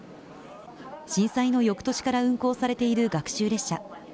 震災の翌年から運行されている学習列車。